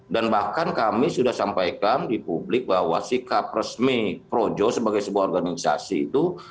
dan bahkan kami sudah sampaikan di publik bahwa sikap resmi projo sebagai sebuah organisasi itu